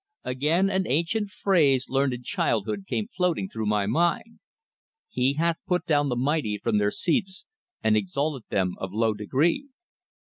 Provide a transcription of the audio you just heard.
Again an ancient phrase learned in childhood came floating through my mind: "He hath put down the mighty from their seats, and exalted them of low degree!"